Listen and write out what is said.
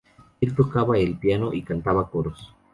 Él tocaba el piano y cantaba coros.